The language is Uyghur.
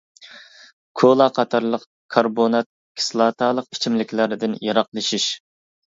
كولا قاتارلىق كاربونات كىسلاتالىق ئىچىملىكلەردىن يىراقلىشىش.